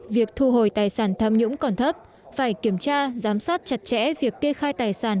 việc thu hồi tài sản tham nhũng còn thấp phải kiểm tra giám sát chặt chẽ việc kê khai tài sản